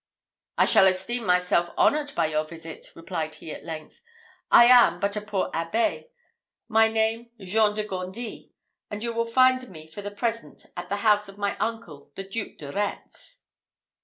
"I shall esteem myself honoured by your visit," replied he, at length; "I am but a poor abbé, my name Jean de Gondi, and you will find me for the present at the house of my uncle, the Duke de Retz."